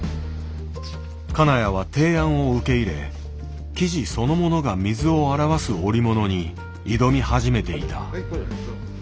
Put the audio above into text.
金谷は提案を受け入れ生地そのものが水を表す織物に挑み始めていた。